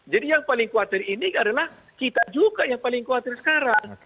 jadi yang paling khawatir ini adalah kita juga yang paling khawatir sekarang